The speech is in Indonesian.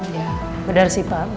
ya benar sih pak